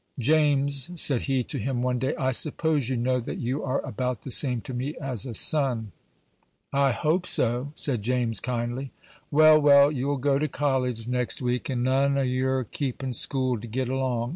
"James," said he to him one day, "I suppose you know that you are about the same to me as a son." "I hope so," said James, kindly. "Well, well, you'll go to college next week, and none o' y'r keepin' school to get along.